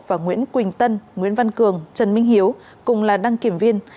và nguyễn quỳnh tân nguyễn văn cường trần minh hiếu cùng là đăng kiểm viên